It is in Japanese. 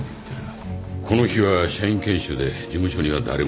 この日は社員研修で事務所には誰もいなかった。